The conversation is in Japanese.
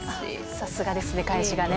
さすがですね、返しがね。